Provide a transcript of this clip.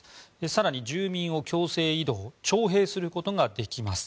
更に、住民を強制移動徴兵することができます。